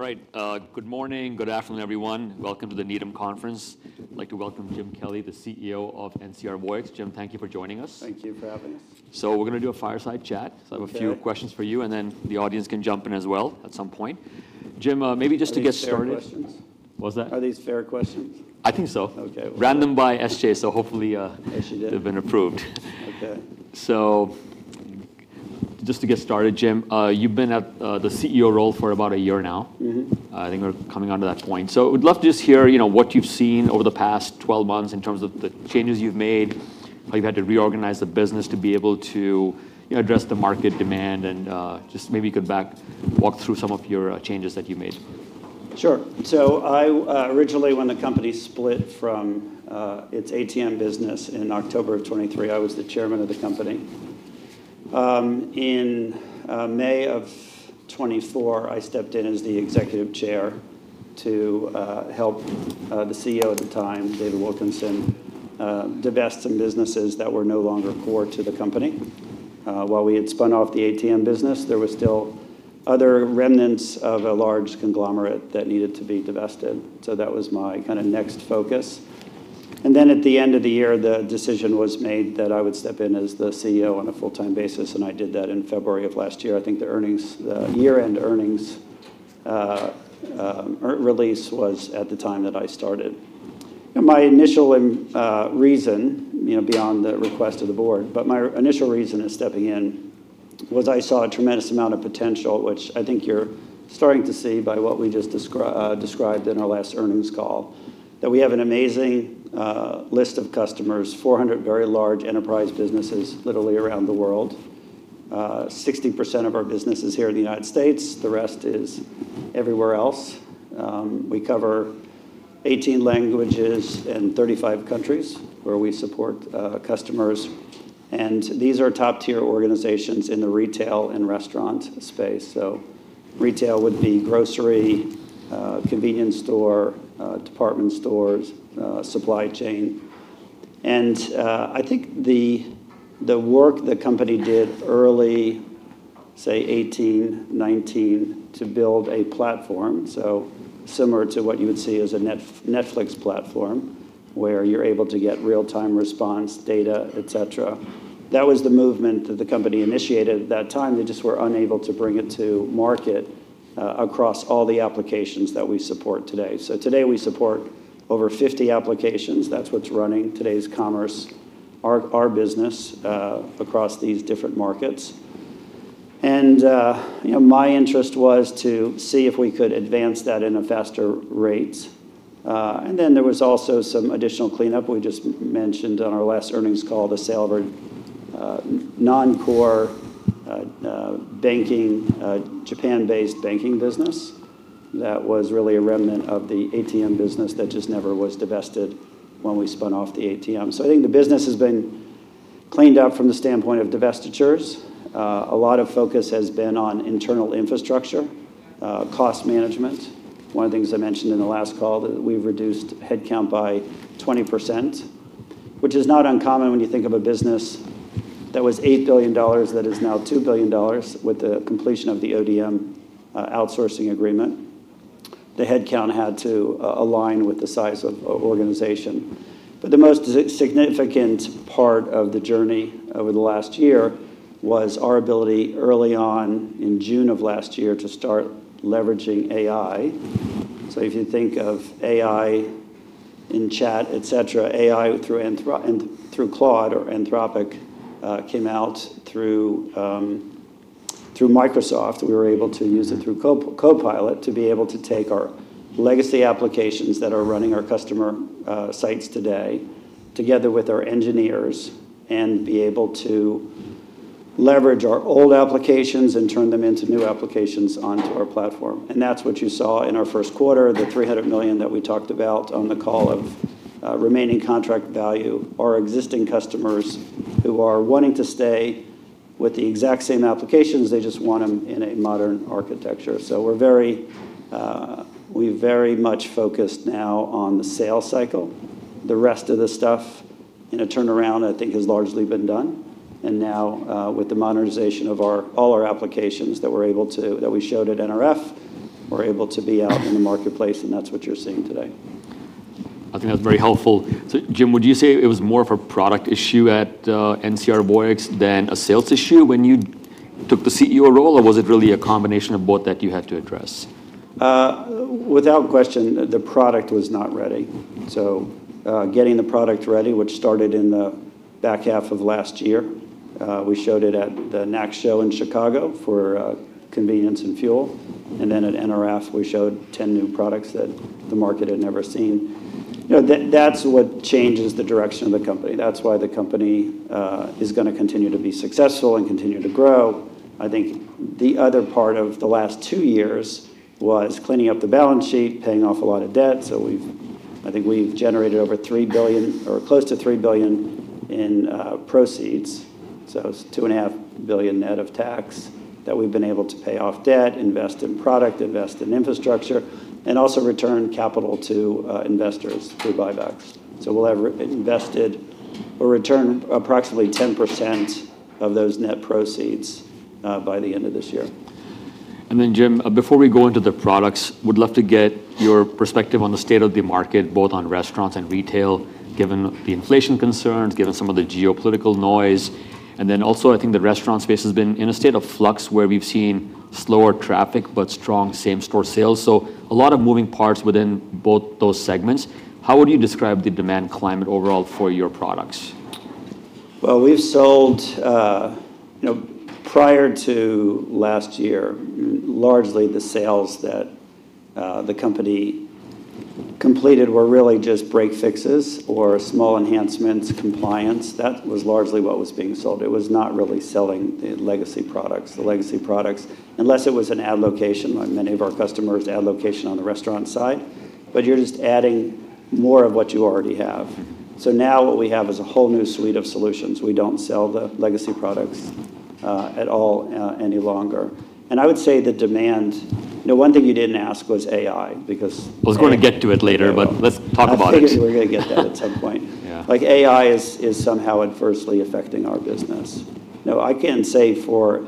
All right. Good morning, good afternoon, everyone. Welcome to the Needham Conference. I'd like to welcome James Kelly, the CEO of NCR Voyix. James, thank you for joining us. Thank you for having us. We're gonna do a fireside chat. Okay. I have a few questions for you, then the audience can jump in as well at some point. Jim. Are these fair questions? What's that? Are these fair questions? I think so. Okay. Ran them by [S.J.], so hopefully. [S.J.] They've been approved. Okay. Just to get started, James, you've been at the CEO role for about one year now. I think we're coming onto that point. We'd love to just hear, you know, what you've seen over the past 12 months in terms of the changes you've made, how you've had to reorganize the business to be able to, you know, address the market demand, and just maybe you could walk through some of your changes that you made. Sure. I originally, when the company split from its ATM business in October 2023, I was the Chairman of the company. In May 2024, I stepped in as the Executive Chair to help the CEO at the time, David Wilkinson, divest some businesses that were no longer core to the company. While we had spun off the ATM business, there was still other remnants of a large conglomerate that needed to be divested, that was my kinda next focus. At the end of the year, the decision was made that I would step in as the CEO on a full-time basis, and I did that in February of last year. I think the earnings, the year-end earnings, re-release was at the time that I started. My initial reason, you know, beyond the request of the board, my initial reason in stepping in was I saw a tremendous amount of potential, which I think you're starting to see by what we just described in our last earnings call, that we have an amazing list of customers, 400 very large enterprise businesses literally around the world. 60% of our business is here in the United States. The rest is everywhere else. We cover 18 languages and 35 countries where we support customers, and these are top-tier organizations in the retail and restaurant space. Retail would be grocery, convenience store, department stores, supply chain. I think the work the company did early, say, 2018, 2019, to build a platform, so similar to what you would see as a Netflix platform, where you're able to get real-time response data, et cetera, that was the movement that the company initiated at that time. They just were unable to bring it to market across all the applications that we support today. Today we support over 50 applications. That's what's running today's commerce, our business across these different markets. You know, my interest was to see if we could advance that in a faster rate. There was also some additional cleanup. We just mentioned on our last earnings call the sale of our non-core banking, Japan-based banking business. That was really a remnant of the ATM business that just never was divested when we spun off the ATM. I think the business has been cleaned up from the standpoint of divestitures. A lot of focus has been on internal infrastructure, cost management. One of the things I mentioned in the last call, that we've reduced head count by 20%, which is not uncommon when you think of a business that was $8 billion that is now $2 billion with the completion of the ODM outsourcing agreement. The head count had to align with the size of organization. The most significant part of the journey over the last year was our ability early on in June of last year to start leveraging AI. If you think of AI in chat, et cetera, AI through Claude or Anthropic came out through Microsoft. We were able to use it through Copilot to be able to take our legacy applications that are running our customer sites today, together with our engineers, and be able to leverage our old applications and turn them into new applications onto our platform. That's what you saw in our first quarter, the $300 million that we talked about on the call of Remaining Contract Value. Our existing customers who are wanting to stay with the exact same applications, they just want them in a modern architecture. We're very, we're very much focused now on the sales cycle. The rest of the stuff in a turnaround I think has largely been done. Now, with the modernization of all our applications that we're able to that we showed at NRF, we're able to be out in the marketplace, and that's what you're seeing today. I think that's very helpful. Jim, would you say it was more of a product issue at NCR Voyix than a sales issue when you took the CEO role, or was it really a combination of both that you had to address? Without question, the product was not ready. Getting the product ready, which started in the back half of last year, we showed it at the NACS Show in Chicago for convenience and fuel. Then at NRF, we showed 10 new products that the market had never seen. You know, that's what changes the direction of the company. That's why the company is gonna continue to be successful and continue to grow. I think the other part of the last two years was cleaning up the balance sheet, paying off a lot of debt. I think we've generated over $3 billion or close to $3 billion in proceeds. It's two and a half billion dollars net of tax that we've been able to pay off debt, invest in product, invest in infrastructure, and also return capital to investors through buybacks. We'll have re- invested or returned approximately 10% of those net proceeds by the end of this year. Jim, before we go into the products, would love to get your perspective on the state of the market, both on restaurants and retail, given the inflation concerns, given some of the geopolitical noise. I think the restaurant space has been in a state of flux where we've seen slower traffic, but strong same-store sales. A lot of moving parts within both those segments. How would you describe the demand climate overall for your products? We've sold, you know, prior to last year, largely the sales that the company completed were really just break fixes or small enhancements, compliance. That was largely what was being sold. It was not really selling the legacy products. Unless it was an add location, like many of our customers add location on the restaurant side, but you're just adding more of what you already have. Now what we have is a whole new suite of solutions. We don't sell the legacy products at all any longer. I would say the demand You know, one thing you didn't ask was AI, because. I was gonna get to it later, but let's talk about it. I figured you were gonna get that at some point. Yeah. Like AI is somehow adversely affecting our business. I can't say for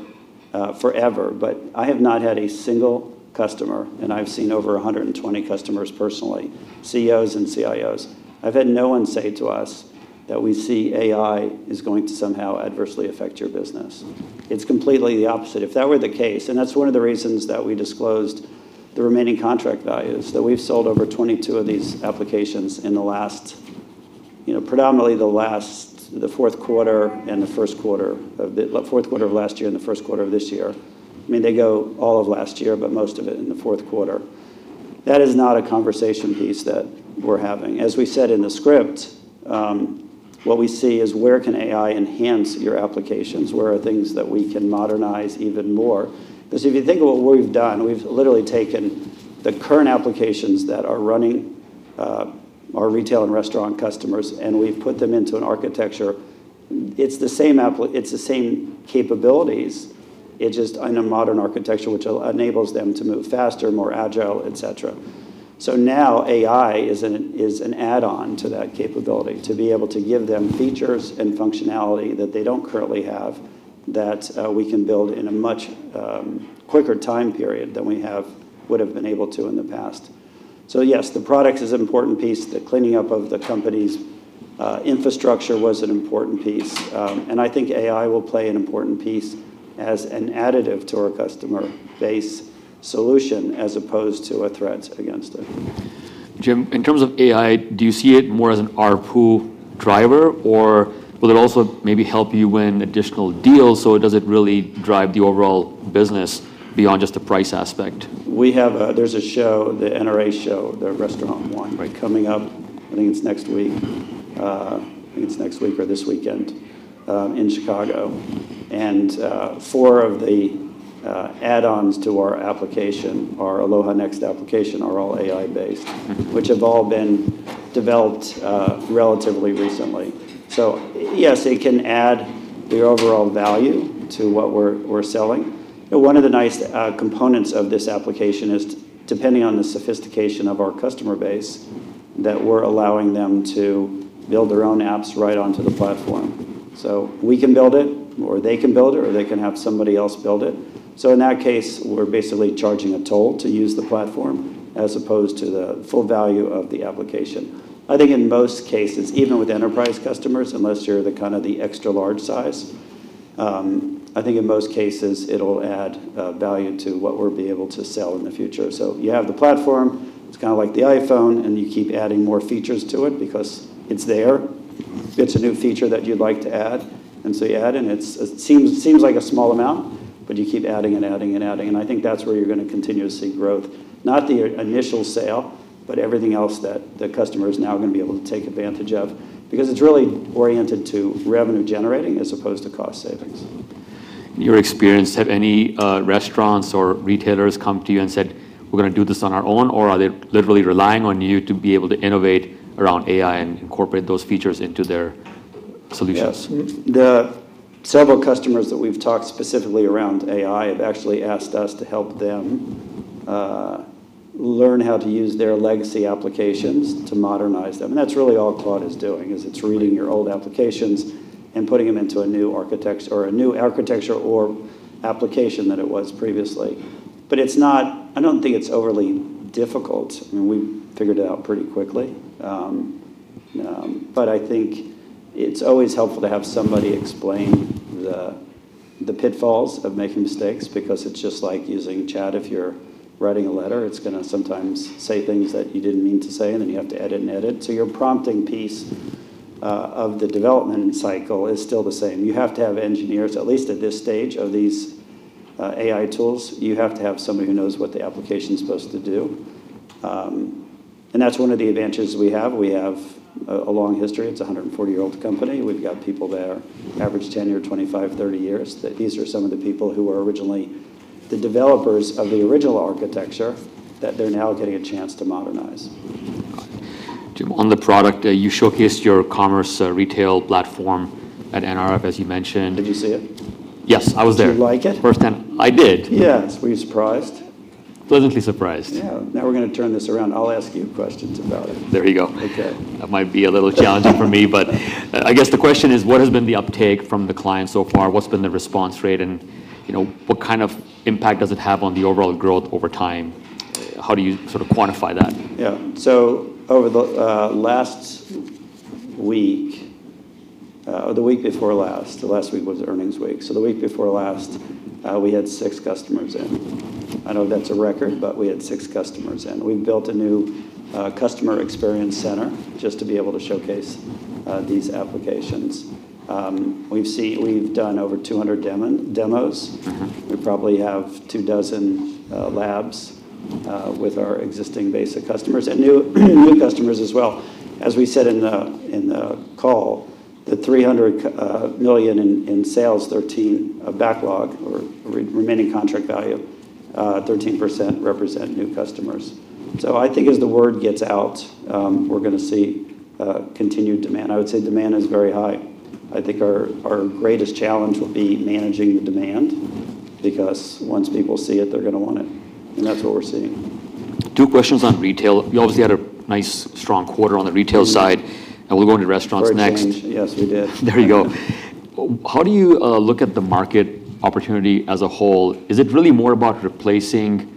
forever, I have not had a single customer, and I've seen over 120 customers personally, CEOs and CIOs. I've had no one say to us that we see AI is going to somehow adversely affect your business. It's completely the opposite. If that were the case, that's one of the reasons that we disclosed the Remaining Contract Value, that we've sold over 22 of these applications in the last, you know, predominantly the last, the fourth quarter and the first quarter of the fourth quarter of last year and the first quarter of this year. I mean, they go all of last year, most of it in the fourth quarter. That is not a conversation piece that we're having. As we said in the script, what we see is where can AI enhance your applications? Where are things that we can modernize even more? 'Cause if you think of what we've done, we've literally taken the current applications that are running, our retail and restaurant customers, and we've put them into an architecture. It's the same capabilities. It's just in a modern architecture, which enables them to move faster, more agile, et cetera. Now AI is an add-on to that capability to be able to give them features and functionality that they don't currently have that we can build in a much quicker time period than we have would've been able to in the past. Yes, the product is an important piece. The cleaning up of the company's infrastructure was an important piece. I think AI will play an important piece as an additive to our customer base solution as opposed to a threat against it. Jim, in terms of AI, do you see it more as an ARPU driver, or will it also maybe help you win additional deals, so does it really drive the overall business beyond just the price aspect? We have there's a show, the NRA show, the Restaurant and Wine. Right coming up, I think it's next week. I think it's next week or this weekend in Chicago. Four of the add-ons to our application, our Aloha Next application, are all AI-based. which have all been developed, relatively recently. Yes, it can add the overall value to what we're selling. One of the nice components of this application is, depending on the sophistication of our customer base, that we're allowing them to build their own apps right onto the platform. We can build it, or they can build it, or they can have somebody else build it. In that case, we're basically charging a toll to use the platform as opposed to the full value of the application. I think in most cases, even with enterprise customers, unless you're the kind of the extra large size, I think in most cases it'll add value to what we'll be able to sell in the future. You have the platform, it's kinda like the iPhone, and you keep adding more features to it because it's there. It's a new feature that you'd like to add, and so you add, and it seems like a small amount, but you keep adding and adding and adding. I think that's where you're gonna continue to see growth. Not the initial sale, but everything else that the customer is now gonna be able to take advantage of. It's really oriented to revenue generating as opposed to cost savings. In your experience, have any restaurants or retailers come to you and said, "We're gonna do this on our own," or are they literally relying on you to be able to innovate around AI and incorporate those features into their solutions? Yeah. Several customers that we've talked specifically around AI have actually asked us to help them learn how to use their legacy applications to modernize them. That's really all Claude is doing, is it's reading your old applications and putting them into a new architecture or application than it was previously. It's not I don't think it's overly difficult. I mean, we figured it out pretty quickly. I think it's always helpful to have somebody explain the pitfalls of making mistakes, because it's just like using chat if you're writing a letter. It's gonna sometimes say things that you didn't mean to say, and then you have to edit and edit. Your prompting piece of the development cycle is still the same. You have to have engineers, at least at this stage of these, AI tools. You have to have somebody who knows what the application's supposed to do. That's one of the advantages we have. We have a long history. It's a 140-year-old company. We've got people that are average tenure 25, 30 years, that these are some of the people who were originally the developers of the original architecture, that they're now getting a chance to modernize. Jim, on the product, you showcased your commerce, retail platform at NRF, as you mentioned. Did you see it? Yes, I was there. Did you like it? First time. I did. Yes. Were you surprised? Pleasantly surprised. Yeah. Now we're gonna turn this around. I'll ask you questions about it. There you go. Okay. That might be a little challenging for me. I guess the question is, what has been the uptake from the clients so far? What's been the response rate? You know, what kind of impact does it have on the overall growth over time? How do you sort of quantify that? Over the last week, or the week before last, the last week was earnings week. The week before last, we had six customers in. I know that's a record, but we had six customers in. We built a new customer experience center just to be able to showcase these applications. We've done over 200 demos. We probably have two dozen labs with our existing base of customers and new customers as well. As we said in the call, the $300 million in sales, 13 backlog or Remaining Contract Value, 13% represent new customers. I think as the word gets out, we're gonna see continued demand. I would say demand is very high. I think our greatest challenge will be managing the demand, because once people see it, they're gonna want it, and that's what we're seeing. Two questions on retail. You obviously had a nice strong quarter on the retail side. We'll go into restaurants next. For a change. Yes, we did. There you go. How do you look at the market opportunity as a whole? Is it really more about replacing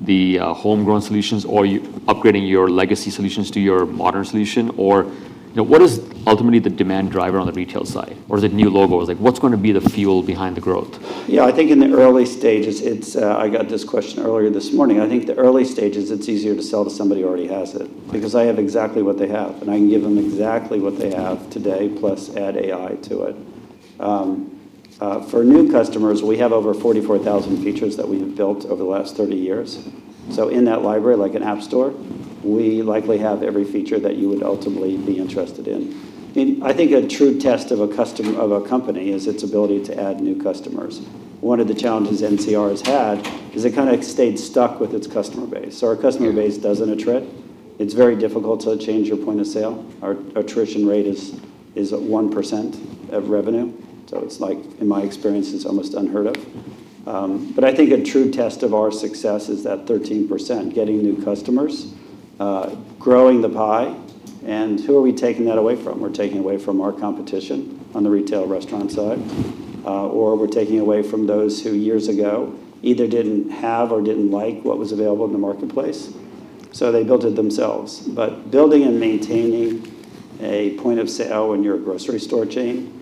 the homegrown solutions, or upgrading your legacy solutions to your modern solution? You know, what is ultimately the demand driver on the retail side? Is it new logos? Like, what's gonna be the fuel behind the growth? I think in the early stages, I got this question earlier this morning. I think the early stages, it's easier to sell to somebody who already has it, because I have exactly what they have, and I can give them exactly what they have today, plus add AI to it. For new customers, we have over 44,000 features that we have built over the last 30 years. In that library, like an app store, we likely have every feature that you would ultimately be interested in. I mean, I think a true test of a company is its ability to add new customers. One of the challenges NCR has had is it kind of stayed stuck with its customer base. Our customer base doesn't attrit. It's very difficult to change your point of sale. Our attrition rate is at 1% of revenue, so it's like, in my experience, it's almost unheard of. I think a true test of our success is that 13%, getting new customers, growing the pie. Who are we taking that away from? We're taking away from our competition on the retail restaurant side, or we're taking away from those who years ago either didn't have or didn't like what was available in the marketplace, so they built it themselves. Building and maintaining a point of sale in your grocery store chain-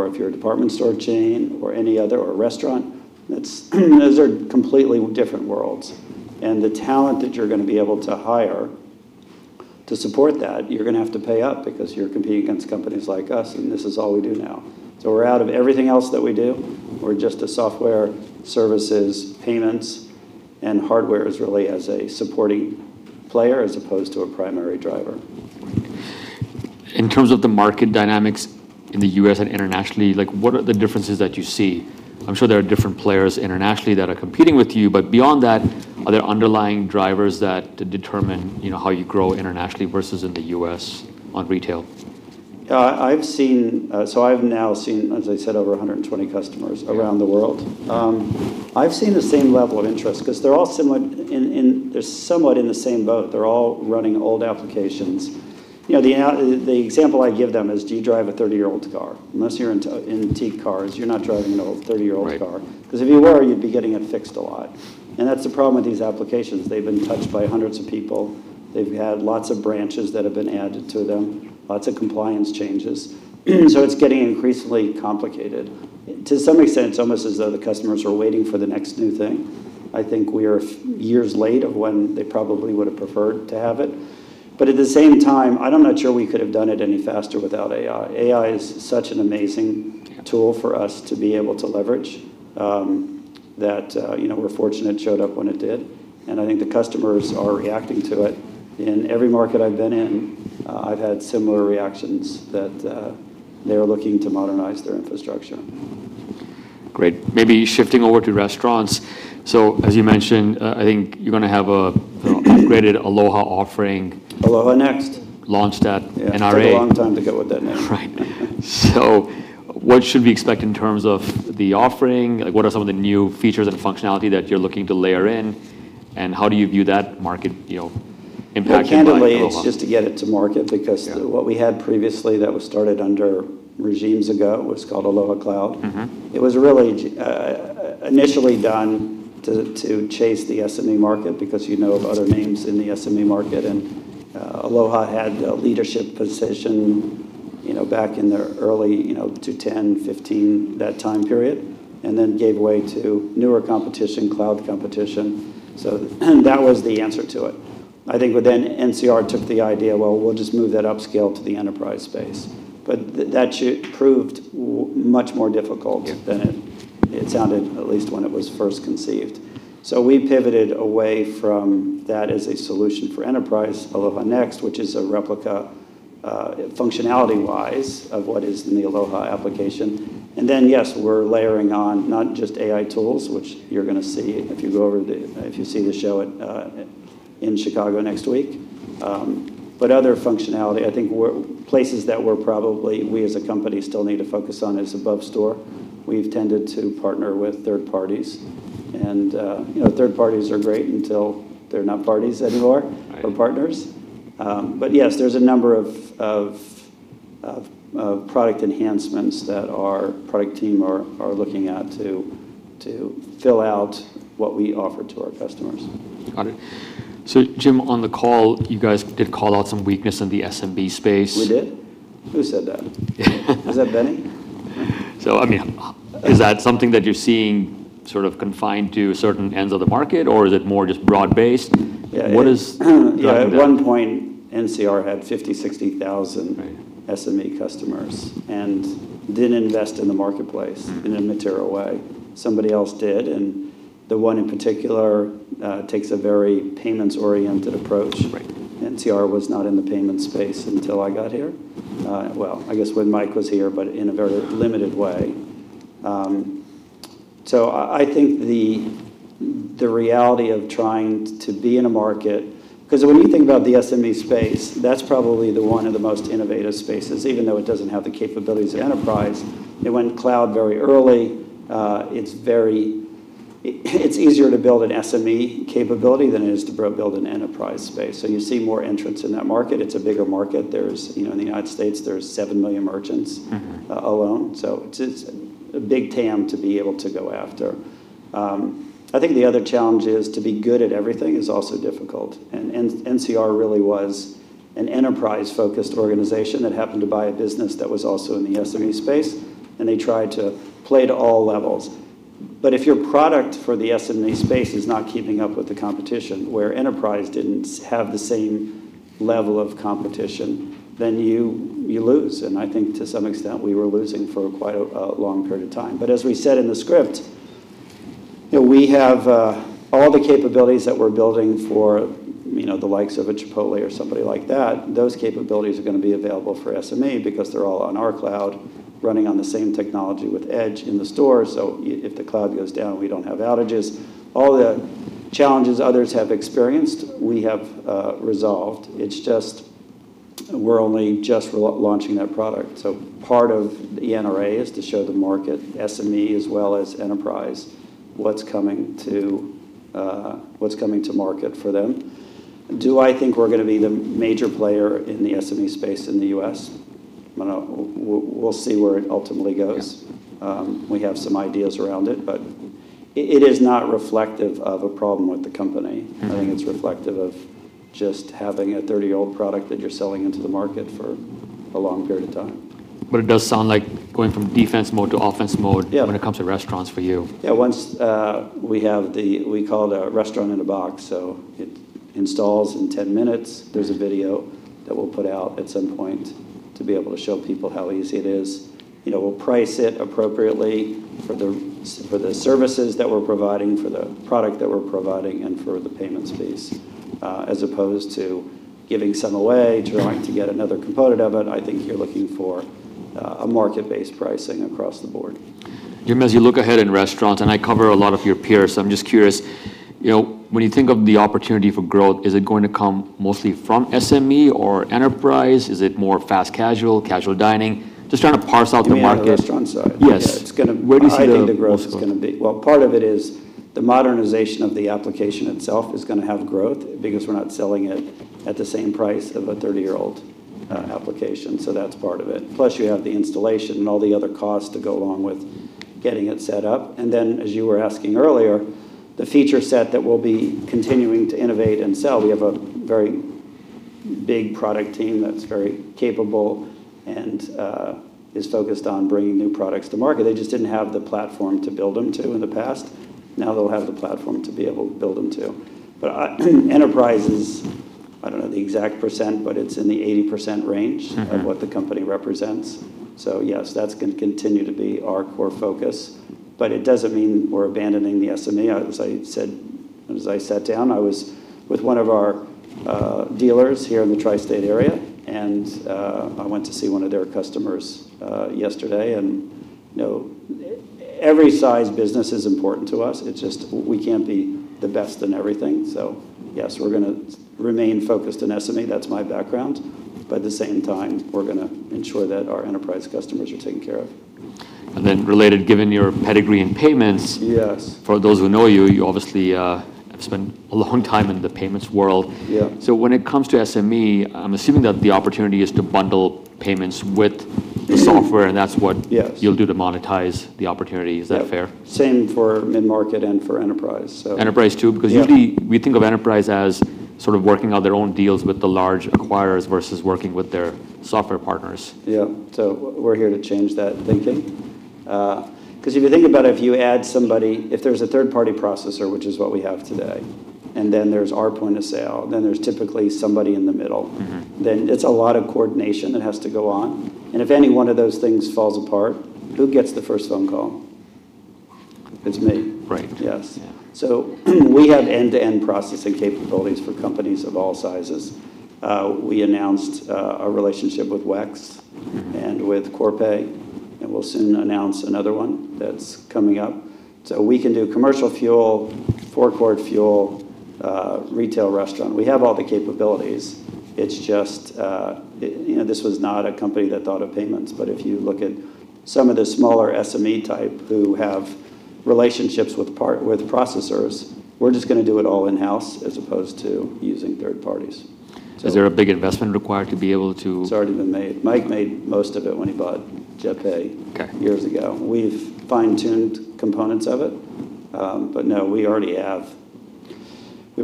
If you're a department store chain or any other, or restaurant, those are completely different worlds. The talent that you're going to be able to hire to support that, you're going to have to pay up because you're competing against companies like us, and this is all we do now. We're out of everything else that we do. We're just a software services, payments, and hardware as really as a supporting player as opposed to a primary driver. In terms of the market dynamics in the U.S. and internationally, like, what are the differences that you see? I'm sure there are different players internationally that are competing with you, but beyond that, are there underlying drivers that determine, you know, how you grow internationally versus in the U.S. on retail? I've seen, so I've now seen, as I said, over 120 customers around the world. I've seen the same level of interest 'cause they're all similar in they're somewhat in the same boat. They're all running old applications. You know, the example I give them is, "Do you drive a 30-year-old car?" Unless you're into antique cars, you're not driving an old 30-year-old car. Right. If you were, you'd be getting it fixed a lot, that's the problem with these applications. They've been touched by hundreds of people. They've had lots of branches that have been added to them, lots of compliance changes, it's getting increasingly complicated. To some extent, it's almost as though the customers are waiting for the next new thing. I think we are years late of when they probably would have preferred to have it. At the same time, I'm not sure we could have done it any faster without AI. AI is such an amazing tool for us to be able to leverage, that, you know, we're fortunate it showed up when it did, I think the customers are reacting to it. In every market I've been in, I've had similar reactions that, they're looking to modernize their infrastructure. Great. Maybe shifting over to restaurants. As you mentioned, I think you're gonna have a, you know, upgraded Aloha offering. Aloha Next launched at NRA. Yeah. It took a long time to go with that name. Right. What should we expect in terms of the offering? Like, what are some of the new features and functionality that you're looking to layer in, and how do you view that market, you know, impact by Aloha? Well, candidly, it's just to get it to market. Yeah what we had previously that was started under regimes ago was called Aloha Cloud. It was really, initially done to chase the SME market because you know of other names in the SME market, and Aloha had a leadership position, you know, back in the early, you know, 2010, 2015, that time period, and then gave way to newer competition, cloud competition. That was the answer to it. I think NCR took the idea, "Well, we'll just move that upscale to the enterprise space." That proved much more difficult. Yeah than it sounded at least when it was first conceived. We pivoted away from that as a solution for enterprise. Aloha Next, which is a replica, functionality-wise of what is in the Aloha application. Then, yes, we're layering on not just AI tools, which you're gonna see if you go over to, if you see the show at, in Chicago next week. Other functionality, I think places that we're probably, we as a company still need to focus on is above store. We've tended to partner with third parties, and, you know, third parties are great until they're not parties anymore. Right or partners. Yes, there's a number of product enhancements that our product team are looking at to fill out what we offer to our customers. Got it. Jim, on the call, you guys did call out some weakness in the SMB space. We did? Who said that? Was that Benny? I mean, is that something that you're seeing sort of confined to certain ends of the market or is it more just broad-based? Yeah, yeah. What is driving that? Yeah, at one point NCR had 50,000, 60,000. Right SME customers and didn't invest in the marketplace in a material way. Somebody else did, and the one in particular, takes a very payments-oriented approach. Right. NCR was not in the payment space until I got here. Well, I guess when Mike was here, but in a very limited way. I think the reality of trying to be in a market 'Cause when you think about the SME space, that's probably the one of the most innovative spaces, even though it doesn't have the capabilities of enterprise. It went cloud very early. It's very it's easier to build an SME capability than it is to build an enterprise space. You see more entrants in that market. It's a bigger market. There's, you know, in the United States, there's 7 million merchants. alone. It's a big TAM to be able to go after. I think the other challenge is to be good at everything is also difficult, and NCR really was an enterprise-focused organization that happened to buy a business that was also in the SME space, and they tried to play to all levels. If your product for the SME space is not keeping up with the competition, where enterprise didn't have the same level of competition, then you lose. I think to some extent we were losing for quite a long period of time. As we said in the script, you know, we have all the capabilities that we're building for, you know, the likes of a Chipotle or somebody like that, those capabilities are gonna be available for SME because they're all on our cloud running on the same technology with Edge in the store. If the cloud goes down, we don't have outages. All the challenges others have experienced, we have resolved. It's just we're only just relaunching that product. Part of the NRA is to show the market, SME as well as enterprise, what's coming to what's coming to market for them. Do I think we're gonna be the major player in the SME space in the U.S.? I don't know. We'll see where it ultimately goes. Yeah. We have some ideas around it, but it is not reflective of a problem with the company. I think it's reflective of just having a 30-year-old product that you're selling into the market for a long period of time. It does sound like going from defense mode to offense mode. Yeah when it comes to restaurants for you. Yeah, once we call it a restaurant in a box. It installs in 10 minutes. There's a video that we'll put out at some point to be able to show people how easy it is. You know, we'll price it appropriately for the services that we're providing, for the product that we're providing, and for the payment space, as opposed to giving some away trying to get another component of it. I think you're looking for a market-based pricing across the board. Jim, as you look ahead in restaurants, and I cover a lot of your peers, so I'm just curious, you know, when you think of the opportunity for growth, is it going to come mostly from SME or enterprise? Is it more fast casual dining? Just trying to parse out the market. You mean on the restaurant side? Yes. Yeah, it's gonna- Where do you see the most growth? I think the growth is gonna be. Well, part of it is the modernization of the application itself is gonna have growth because we're not selling it at the same price of a 30-year-old application. That's part of it. You have the installation and all the other costs to go along with getting it set up. As you were asking earlier, the feature set that we'll be continuing to innovate and sell, we have a very big product team that's very capable and is focused on bringing new products to market. They just didn't have the platform to build them to in the past. Now they'll have the platform to be able to build them to. Enterprise is, I don't know the exact percent, but it's in the 80% range. of what the company represents. Yes, that's gonna continue to be our core focus. It doesn't mean we're abandoning the SME. As I said, as I sat down, I was with one of our dealers here in the tri-state area, and I went to see one of their customers yesterday. You know, every size business is important to us. It's just we can't be the best in everything. Yes, we're gonna remain focused on SME. That's my background. At the same time, we're gonna ensure that our enterprise customers are taken care of. Related, given your pedigree in payments- Yes for those who know you obviously have spent a long time in the payments world. Yeah. When it comes to SME, I'm assuming that the opportunity is to bundle payments with the software. Yes You'll do to monetize the opportunity. Is that fair? Yeah. Same for mid-market and for enterprise. Enterprise too? Yeah. Usually we think of enterprise as sort of working out their own deals with the large acquirers versus working with their software partners. Yeah. We're here to change that thinking. 'cause if you think about if you add somebody, if there's a third-party processor, which is what we have today, and then there's our point of sale, then there's typically somebody in the middle. It's a lot of coordination that has to go on, and if any one of those things falls apart, who gets the first phone call? It's me. Right. Yes. We have end-to-end processing capabilities for companies of all sizes. We announced a relationship with WEX and with Corpay. We'll soon announce another one that's coming up. We can do commercial fuel, forecourt fuel, retail restaurant. We have all the capabilities. It's just, you know, this was not a company that thought of payments. If you look at some of the smaller SME type who have relationships with processors, we're just gonna do it all in-house as opposed to using third parties. Is there a big investment required to be able to? It's already been made. Mike made most of it when he bought JetPay. Okay years ago. We've fine-tuned components of it. No, we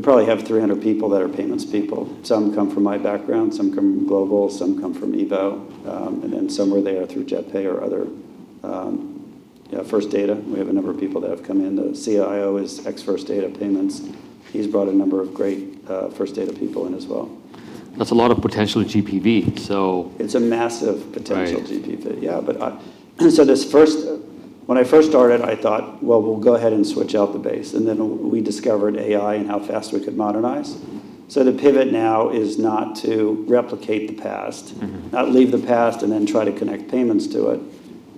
probably have 300 people that are payments people. Some come from my background, some come from Global, some come from EVO, and then some are there through JetPay or other, you know, First Data. We have a number of people that have come in. The CIO is ex First Data payments. He's brought a number of great First Data people in as well. That's a lot of potential [GPV]. It's a massive potential [GPV]. Right. When I first started, I thought, "Well, we'll go ahead and switch out the base." We discovered AI and how fast we could modernize. The pivot now is not to replicate the past. Not leave the past and then try to connect payments to it.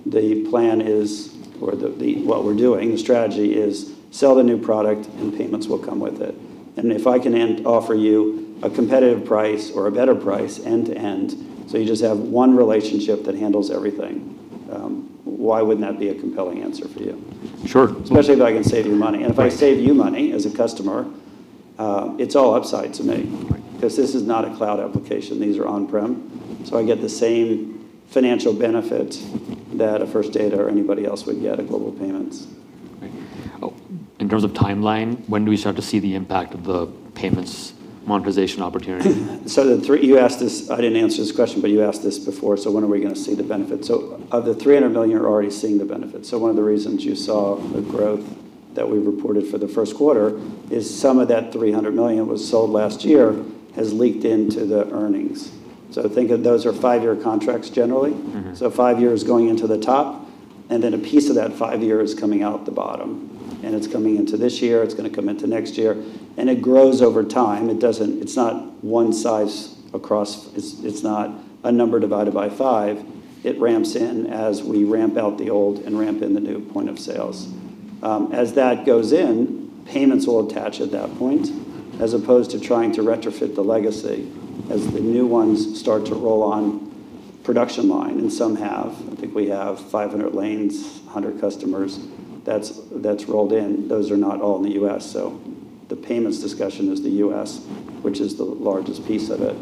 The plan is, what we're doing, the strategy is sell the new product and payments will come with it. If I can offer you a competitive price or a better price end to end, so you just have one relationship that handles everything, why wouldn't that be a compelling answer for you? Sure. Especially if I can save you money. If I save you money as a customer, it's all upside to me. Right. 'Cause this is not a cloud application. These are on-prem. I get the same financial benefit that a First Data or anybody else would get at Global Payments. Right. Oh, in terms of timeline, when do we start to see the impact of the payments monetization opportunity? You asked this, I didn't answer this question, but you asked this before, when are we gonna see the benefits? Of the $300 million, we're already seeing the benefits. One of the reasons you saw the growth that we reported for the first quarter is some of that $300 million was sold last year has leaked into the earnings. Think of those are five-year contracts generally. Five years going into the top, and then a piece of that five year is coming out the bottom, and it's coming into this year, it's gonna come into next year, and it grows over time. It's not one size across. It's not a number divided by five. It ramps in as we ramp out the old and ramp in the new point of sales. As that goes in, payments will attach at that point, as opposed to trying to retrofit the legacy as the new ones start to roll on production line, and some have. I think we have 500 lanes, 100 customers that's rolled in. Those are not all in the U.S. The payments discussion is the U.S., which is the largest piece of it.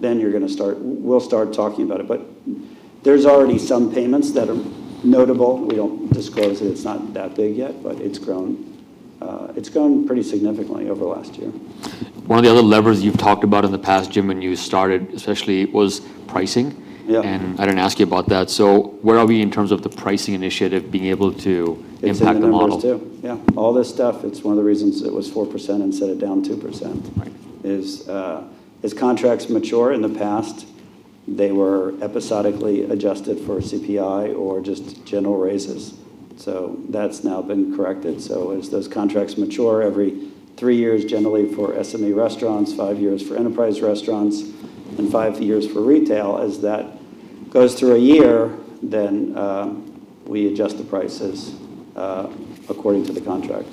We'll start talking about it. There's already some payments that are notable. We don't disclose it. It's not that big yet, but it's grown. It's grown pretty significantly over last year. One of the other levers you've talked about in the past, Jim, when you started especially, was pricing. Yeah. I didn't ask you about that. Where are we in terms of the pricing initiative being able to impact the model? It's in the numbers too. Yeah. All this stuff, it's one of the reasons it was 4% instead of down 2%. Right. As contracts mature in the past, they were episodically adjusted for CPI or just general raises. That's now been corrected. As those contracts mature every three years, generally for SME restaurants, five years for enterprise restaurants, and five years for retail, as that goes through a year, then, we adjust the prices according to the contract.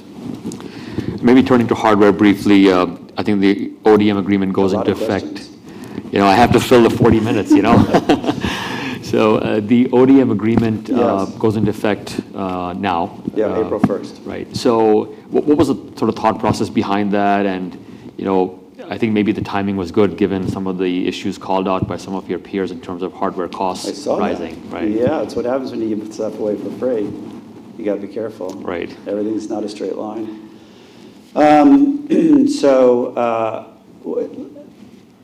Maybe turning to hardware briefly, I think the ODM agreement goes into effect. A lot of questions. You know, I have to fill the 40 minutes, you know? The ODM agreement. Yes Goes into effect, now. Yeah, April first. Right. What was the sort of thought process behind that? You know, I think maybe the timing was good given some of the issues called out by some of your peers in terms of hardware costs. I saw that. Rising, right? Yeah. It's what happens when you step away for free. You gotta be careful. Right. Everything's not a straight line.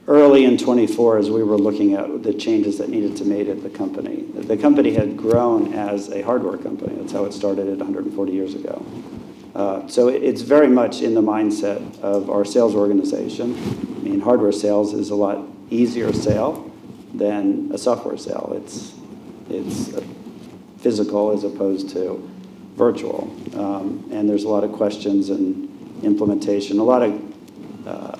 Early in 2024, as we were looking at the changes that needed to made at the company, the company had grown as a hardware company. That's how it started at 140 years ago. It's very much in the mindset of our sales organization. I mean hardware sales is a lot easier sale than a software sale. It's, it's physical as opposed to virtual. There's a lot of questions and implementation. A lot of,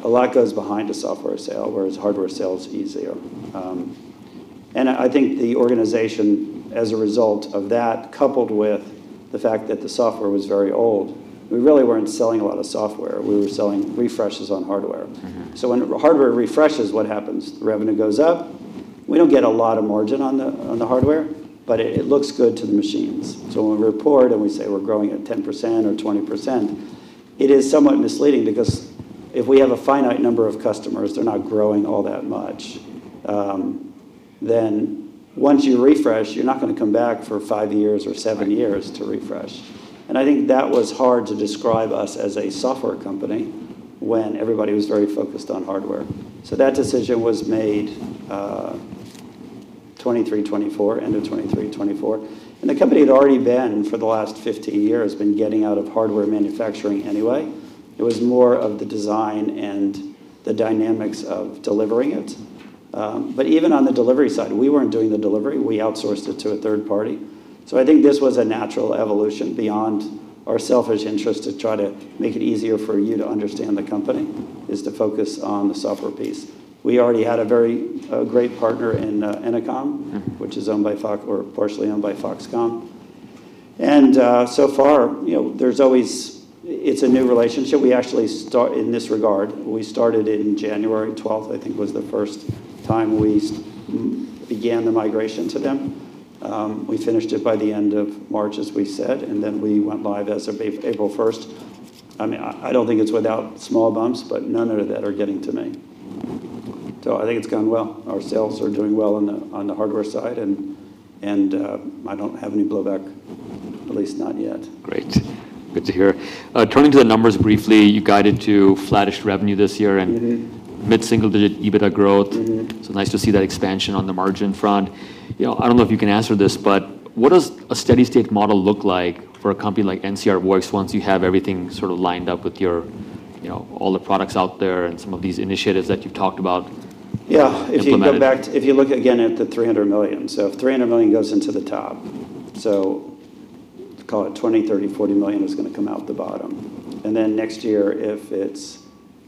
a lot goes behind a software sale, whereas hardware sale is easier. I think the organization as a result of that, coupled with the fact that the software was very old, we really weren't selling a lot of software. We were selling refreshes on hardware. When hardware refreshes, what happens? The revenue goes up. We don't get a lot of margin on the, on the hardware, it looks good to the machines. When we report and we say we're growing at 10% or 20%, it is somewhat misleading because if we have a finite number of customers, they're not growing all that much. Once you refresh, you're not gonna come back for five years or seven years to refresh. I think that was hard to describe us as a software company when everybody was very focused on hardware. That decision was made, 2023, 2024, end of 2023, 2024. The company had already been, for the last 15 years, been getting out of hardware manufacturing anyway. It was more of the design and the dynamics of delivering it. Even on the delivery side, we weren't doing the delivery. We outsourced it to a third party. I think this was a natural evolution beyond our selfish interest to try to make it easier for you to understand the company, is to focus on the software piece. We already had a very, a great partner in Ennoconn. which is owned or partially owned by Foxconn. So far, you know, there's always It's a new relationship. We actually, in this regard, we started it in January 12th, I think was the first time we began the migration to them. We finished it by the end of March, as we said, and then we went live as of April 1st. I mean, I don't think it's without small bumps, but none of that are getting to me. I think it's gone well. Our sales are doing well on the hardware side and, I don't have any blowback, at least not yet. Great. Good to hear. Turning to the numbers briefly, you guided to flattish revenue this year mid-single-digit EBITDA growth. Nice to see that expansion on the margin front. You know, I don't know if you can answer this, but what does a steady state model look like for a company like NCR Voyix once you have everything sort of lined up with your, you know, all the products out there and some of these initiatives that you've talked about. Yeah Implemented. If you look again at the $300 million. If $300 million goes into the top, call it $20 million, $30 million, $40 million is gonna come out the bottom. Next year, if it's,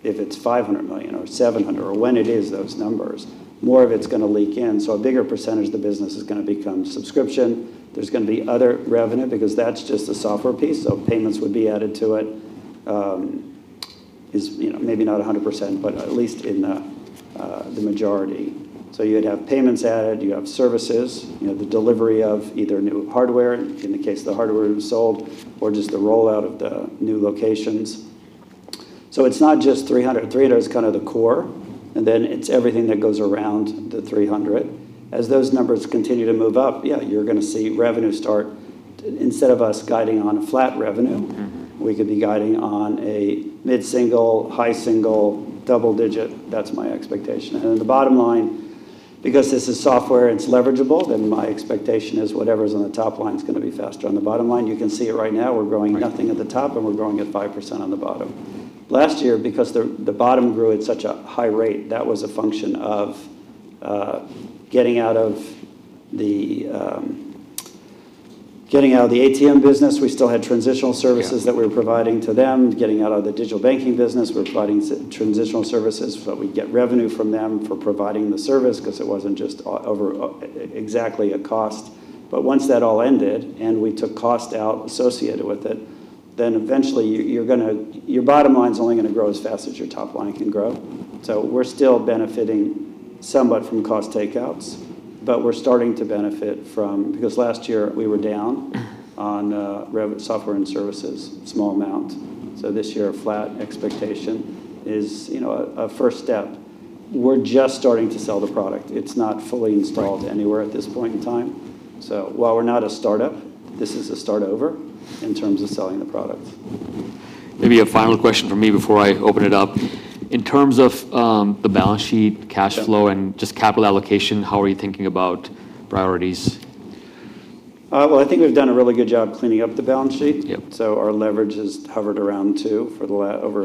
if it's $500 million or $700 million or when it is those numbers, more of it's gonna leak in. A bigger percentage of the business is gonna become subscription. There's gonna be other revenue because that's just a software piece, payments would be added to it, you know, maybe not 100%, but at least in the majority. You'd have payments added, you have services, you know, the delivery of either new hardware in the case the hardware is sold or just the rollout of the new locations. It's not just $300 million. $300 million is kinda the core, and then it's everything that goes around the $300 million. As those numbers continue to move up, yeah, you're gonna see revenue start instead of us guiding on a flat revenue. We could be guiding on a mid-single, high single, double digit. That's my expectation. The bottom line, because this is software, it's leverageable, then my expectation is whatever's on the top line is gonna be faster on the bottom line. You can see it right now. We're growing. Right Nothing at the top, and we're growing at 5% on the bottom. Last year, because the bottom grew at such a high rate, that was a function of getting out of the ATM business. We still had transitional services. Yeah. That we were providing to them. Getting out of the Digital Banking business, we're providing transitional services. We'd get revenue from them for providing the service 'cause it wasn't just over exactly a cost. Once that all ended and we took cost out associated with it, then eventually your bottom line's only gonna grow as fast as your top line can grow. We're still benefiting somewhat from cost takeouts, but we're starting to benefit from because last year we were down on rev, software and services, small amount. This year, a flat expectation is, you know, a first step. We're just starting to sell the product. It's not fully installed. Right. Anywhere at this point in time. While we're not a startup, this is a start over in terms of selling the product. Maybe a final question from me before I open it up. In terms of the balance sheet, cash flow. Yeah. Just capital allocation, how are you thinking about priorities? Well, I think we've done a really good job cleaning up the balance sheet. Yep. Our leverage has hovered around two over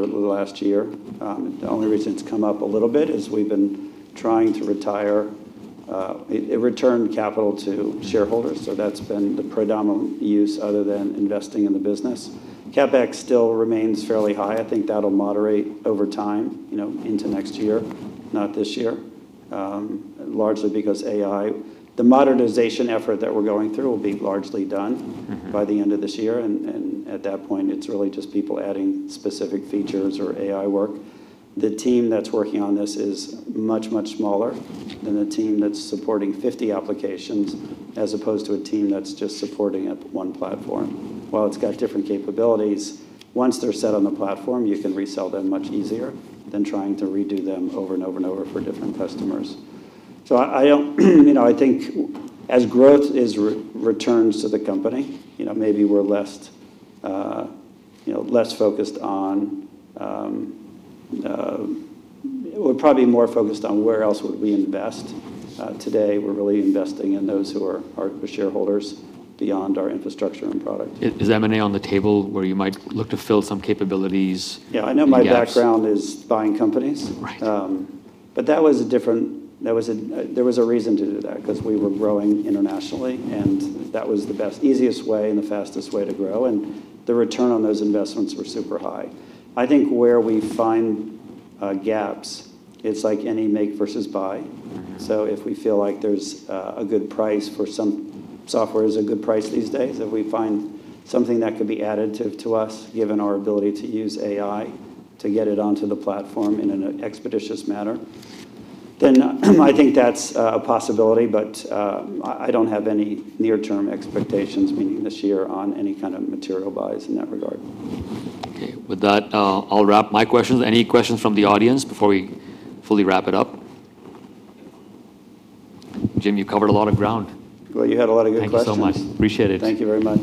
the last year. The only reason it's come up a little bit is we've been trying to return capital to shareholders. That's been the predominant use other than investing in the business. CapEx still remains fairly high. I think that'll moderate over time, you know, into next year, not this year, largely because AI. The modernization effort that we're going through will be largely done. by the end of this year. At that point it's really just people adding specific features or AI work. The team that's working on this is much smaller than the team that's supporting 50 applications as opposed to a team that's just supporting a one platform. While it's got different capabilities, once they're set on the platform, you can resell them much easier than trying to redo them over and over for different customers. I don't, you know, I think as growth returns to the company, you know, maybe we're less, you know, less focused on. We're probably more focused on where else would we invest. Today we're really investing in those who are our shareholders beyond our infrastructure and product. Is M&A on the table where you might look to fill some capabilities? Yeah, I know my background- Gaps? Is buying companies. Right. There was a reason to do that, 'cause we were growing internationally, and that was the best, easiest way and the fastest way to grow, and the return on those investments were super high. I think where we find gaps, it's like any make versus buy. If we feel like there's a good price for some software is a good price these days. If we find something that could be additive to us, given our ability to use AI to get it onto the platform in an expeditious manner, then I think that's a possibility. I don't have any near-term expectations, meaning this year, on any kind of material buys in that regard. Okay. With that, I'll wrap my questions. Any questions from the audience before we fully wrap it up? Jim, you covered a lot of ground. Well, you had a lot of good questions. Thank you so much. Appreciate it. Thank you very much.